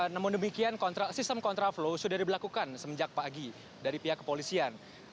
namun demikian sistem kontraflow sudah diberlakukan semenjak pagi dari pihak kepolisian